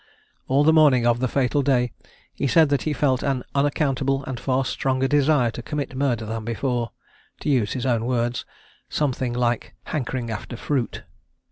All the morning of the fatal day he said that he felt an unaccountable and far stronger desire to commit murder than before; to use his own words, "something like hankering after fruit."